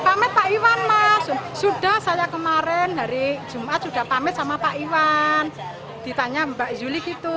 pamit pak iwan mas sudah saya kemarin hari jumat sudah pamit sama pak iwan ditanya mbak yuli gitu